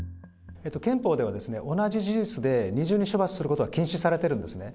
憲法では、同じ事実で二重に処罰することは禁止されてるんですね。